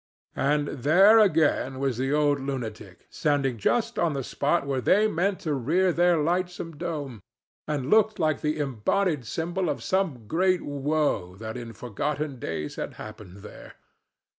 And there again was the old lunatic standing just on the spot where they meant to rear their lightsome dome, and looking like the embodied symbol of some great woe that in forgotten days had happened there.